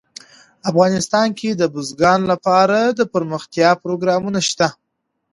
افغانستان کې د بزګان لپاره دپرمختیا پروګرامونه شته.